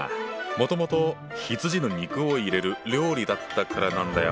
もともと羊の肉を入れる料理だったからなんだよ。